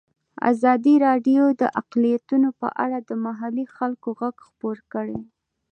ازادي راډیو د اقلیتونه په اړه د محلي خلکو غږ خپور کړی.